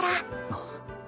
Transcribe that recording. あっ。